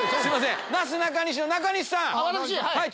なすなかにしの中西さん！